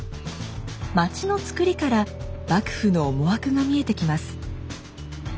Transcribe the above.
町のつくりから幕府の思惑が見えてきます。